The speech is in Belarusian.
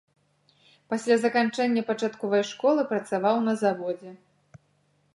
Пасля заканчэння пачатковай школы працаваў на заводзе.